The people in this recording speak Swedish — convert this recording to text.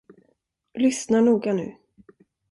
Lyssna noga nu.